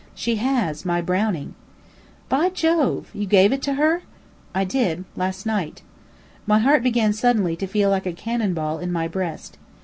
"She has. My Browning." "Jove! You gave it to her?" "I did. Last night." My heart began suddenly to feel like a cannon ball, in my breast.